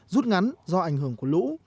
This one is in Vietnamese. rút ngắn do ảnh hưởng của lũ